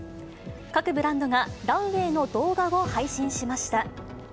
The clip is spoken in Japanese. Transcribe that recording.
各ブランドがランウエーの動画を配信しました。